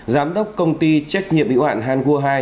giám đốc công ty trách nhiệm ưu ạn hangua hai